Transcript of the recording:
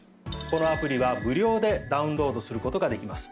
このアプリは無料でダウンロードすることができます。